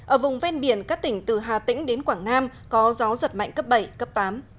ở vùng ven biển các tỉnh từ hà tĩnh đến quảng nam có gió giật mạnh cấp bảy cấp tám